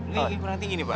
ini kurang tinggi nih pak